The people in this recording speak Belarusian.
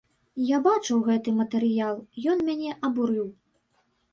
Я бачыў гэты матэрыял, ён мяне абурыў.